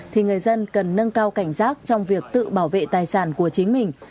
thì người dân cần nâng cao cảnh giác trong việc tự bảo vệ tài sản của chính mình